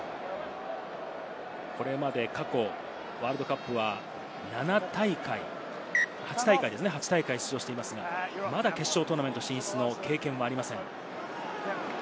これまで過去、ワールドカップは８大会ですね、出場していますが、まだ決勝トーナメント進出の経験はありません。